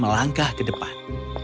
melangkah ke depan